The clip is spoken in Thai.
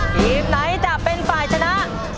ทีมไหนจะเป็นฝ่ายชนะ